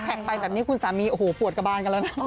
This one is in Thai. ไปแบบนี้คุณสามีโอ้โหปวดกระบานกันแล้วนะ